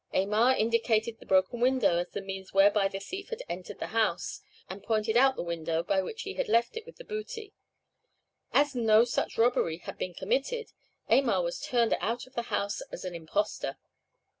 Aymar indicated the broken window as the means whereby the thief had entered the house, and pointed out the window by which he had left it with the booty. As no such robbery had been committed, Aymar was turned out of the house as an impostor.